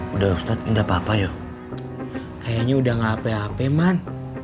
udah ustadz enggak papa yuk kayaknya udah enggak apa apa man